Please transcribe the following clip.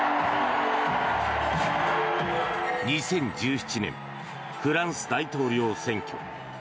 ２０１７年フランス大統領選挙。